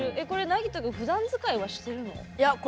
これ、なぎと君ふだん使いはしてるの？